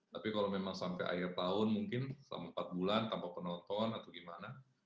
tapi kalau memang sampai akhir tahun mungkin selama empat bulan tanpa penonton atau gimana